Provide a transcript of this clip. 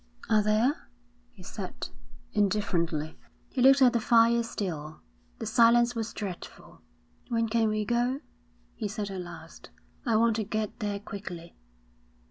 'Are there?' he said, indifferently. He looked at the fire still. The silence was dreadful. 'When can we go?' he said at last. 'I want to get there quickly.'